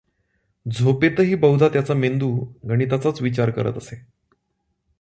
झोपेतही बहुधा त्यांचा मेंदू गणिताचाच विचार करत असे.